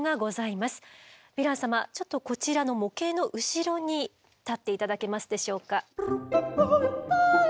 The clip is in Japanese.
ちょっとこちらの模型の後ろに立って頂けますでしょうか。